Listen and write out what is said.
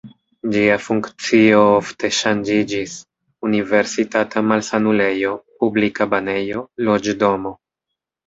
Ĝia funkcio ofte ŝanĝiĝis: universitata malsanulejo, publika banejo, loĝdomo.